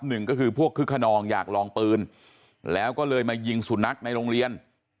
หนึ่งก็คือพวกคึกขนองอยากลองปืนแล้วก็เลยมายิงสุนัขในโรงเรียน